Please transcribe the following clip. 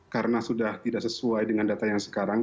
karena sudah tidak sesuai dengan data yang sekarang